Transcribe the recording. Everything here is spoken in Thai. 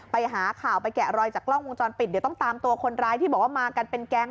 ไปหาข่าวไปแกะรอยจากกล้องวงจรปิดเดี๋ยวต้องตามตัวคนร้ายที่บอกว่ามากันเป็นแก๊ง